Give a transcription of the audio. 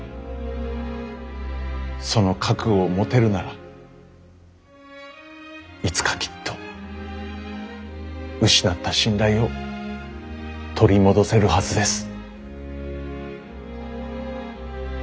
その覚悟を持てるならいつかきっと失った信頼を取り戻せるはずです。